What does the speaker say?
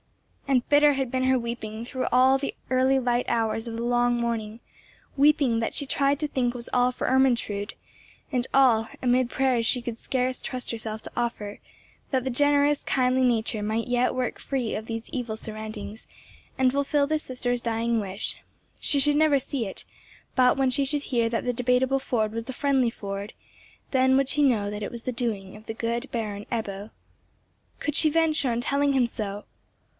And bitter had been her weeping through all the early light hours of the long morning—weeping that she tried to think was all for Ermentrude; and all, amid prayers she could scarce trust herself to offer, that the generous, kindly nature might yet work free of these evil surroundings, and fulfil the sister's dying wish, she should never see it; but, when she should hear that the Debateable Ford was the Friendly Ford, then would she know that it was the doing of the Good Baron Ebbo. Could she venture on telling him so?